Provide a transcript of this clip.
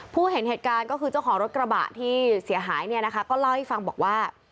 เห็นเหตุการณ์ก็คือเจ้าของรถกระบะที่เสียหายเนี่ยนะคะก็เล่าให้ฟังบอกว่า